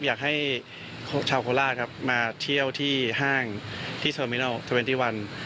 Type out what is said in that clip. อยากให้ชาวโคราชมาเที่ยวที่ห้างที่เซอร์มินัล๒๑